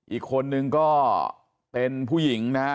อีกคนนึงก็เป็นผู้หญิงนะฮะ